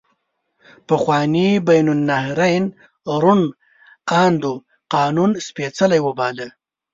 پخواني بین النهرین روڼ اندو قانون سپیڅلی وباله.